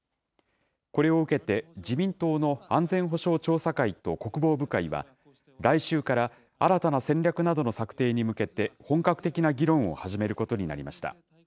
これを受けて、自民党の安全保障調査会と国防部会は、来週から新たな戦略などの策定に向けて、本格的な議論を始めることになりました。